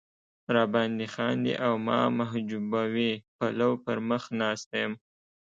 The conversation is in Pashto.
را باندې خاندي او ما محجوبوي پلو پر مخ ناسته یم.